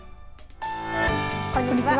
こんにちは。